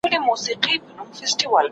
پالينه